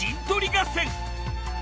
合戦。